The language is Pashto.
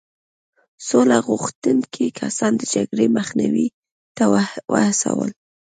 سوله غوښتونکي کسان د جګړې مخنیوي ته وهڅول.